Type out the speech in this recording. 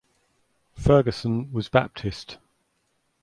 Ferguson was Baptist.